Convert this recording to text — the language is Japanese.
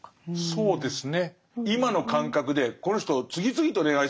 そうですね。